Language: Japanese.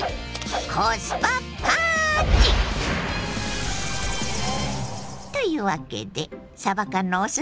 コスパ・パーンチ！というわけでさば缶のお裾分け。